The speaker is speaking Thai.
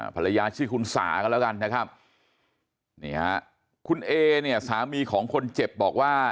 ภรรยาชื่อคุณสากันแล้วกันนะครับนี่ฮะคุณเอเนี่ยสามีของคนเจ็บบอกว่า